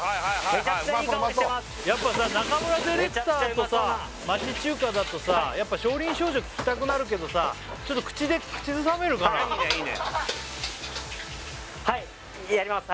メチャクチャうまそうな中村ディレクターとさ町中華だとさ「少林少女」聴きたくなるけどさちょっと口で口ずさめるかないいねいいねはいやります